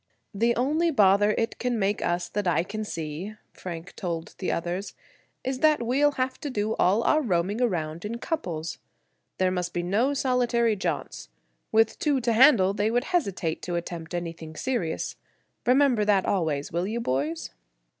"The only bother it can make us that I can see," Frank told the others, "is that we'll have to do all our roaming around in couples. There must be no solitary jaunts. With two to handle they would hesitate to attempt anything serious. Remember that always, will you, boys?"